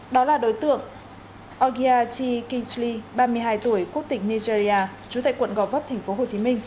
đó là đối tượng ogia g kingsley ba mươi hai tuổi quốc tỉnh nigeria trú tại quận gò vấp tp hcm